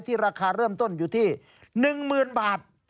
ราคาเริ่มต้นอยู่ที่๑๐๐๐บาท